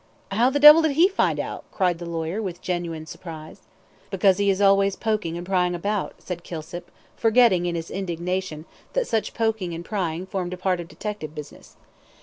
"How the devil did he find out?" cried the lawyer, with genuine surprise. "Because he is always poking and prying about," said Kilsip, forgetting, in his indignation, that such poking and prying formed part of detective business.